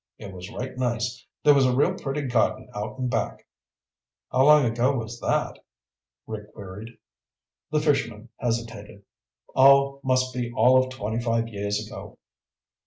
It was right nice. There was a real pretty garden out in back." "How long ago was that?" Rick queried. The fisherman hesitated. "Oh, must be all of twenty five years ago.